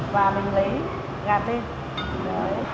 và mình lấy gạt lên